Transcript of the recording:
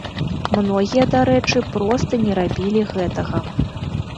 Многія, дарэчы, проста не рабілі гэтага.